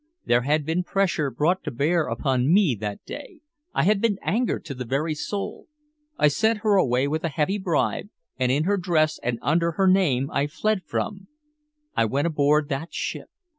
There had been pressure brought to bear upon me that day, I had been angered to the very soul. I sent her away with a heavy bribe, and in her dress and under her name I fled from I went aboard that ship.